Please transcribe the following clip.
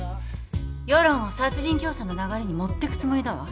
世論を殺人教唆の流れに持ってくつもりだわ。